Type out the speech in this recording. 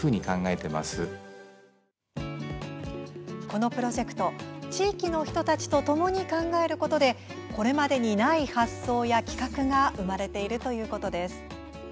このプロジェクト地域の人たちとともに考えることでこれまでにない発想や企画が生まれているということです。